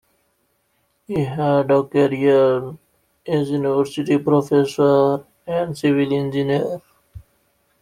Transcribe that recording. He had a career as a university professor, and civil engineer.